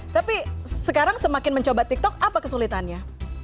tapi sekarang semakin mencoba tiktok apa kesulitannya